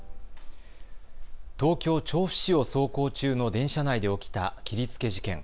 東京調布市を走行中の電車内で起きた切りつけ事件。